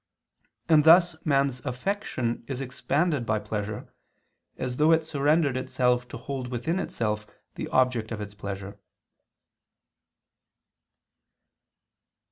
And thus man's affection is expanded by pleasure, as though it surrendered itself to hold within itself the object of its pleasure.